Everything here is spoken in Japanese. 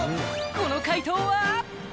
この快答は？